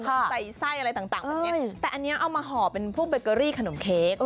ใส่ไส้อะไรต่างแบบนี้แต่อันนี้เอามาห่อเป็นพวกเบเกอรี่ขนมเค้ก